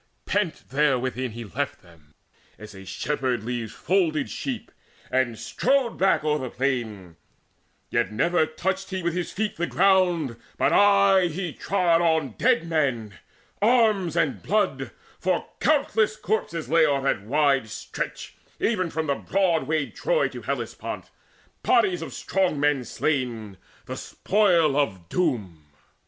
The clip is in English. Pent therewithin he left them, as a shepherd Leaves folded sheep, and strode back o'er the plain; Yet never touched he with his feet the ground, But aye he trod on dead men, arms, and blood; For countless corpses lay o'er that wide stretch Even from broad wayed Troy to Hellespont, Bodies of strong men slain, the spoil of Doom.